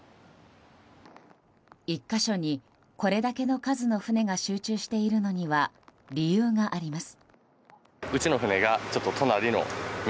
１か所にこれだけの数の船が集中しているのには理由があります。